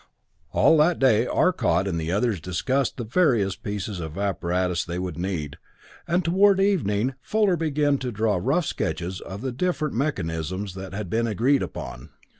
All that day Arcot and the others discussed the various pieces of apparatus they would need, and toward evening Fuller began to draw rough sketches of the different mechanisms that had been agreed upon.